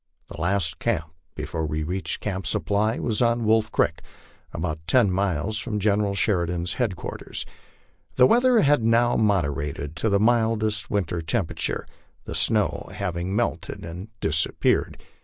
The last camp before we reached Camp Supply was on Wolf creek, about ten miles from General Sheridan's headquarters. The weather had now moderated to the mildest winter temperature, the snow having melted and disappeared.